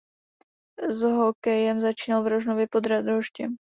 Z hokejem začínal v Rožnově pod Radhoštěm.